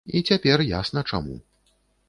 І цяпер ясна чаму.